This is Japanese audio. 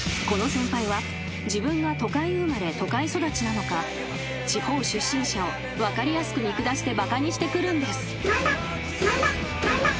この先輩は自分が都会生まれ都会育ちなのか地方出身者を分かりやすく見下してバカにしてくるんです］